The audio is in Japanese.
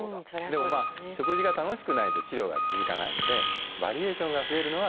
でも食事が楽しくないと治療が続かないのでバリエーションが増えるのはいいことですね。